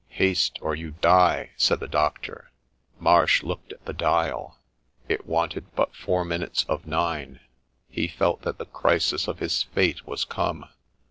' Haste, or you die !' said the Doctor, — Marsh looked at the dial ; it wanted but four minutes of nine : he felt that the crisis of his fate was come.